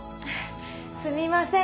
すみません。